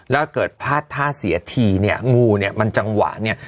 แล้วเกิดพลาดท่าเสียทีเนี่ยงูเนี่ยมันจังหวะเนี่ย